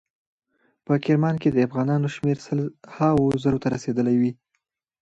په کرمان کې د افغانانو شمیر سل هاو زرو ته رسیدلی وي.